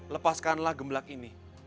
lepaskanlah gemblak ini